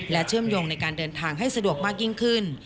เชื่อมโยงในการเดินทางให้สะดวกมากยิ่งขึ้น